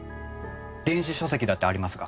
電子書籍だってありますが。